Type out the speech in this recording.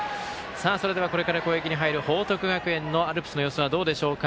それでは、これから攻撃に入る報徳学園のアルプスの様子はどうでしょうか。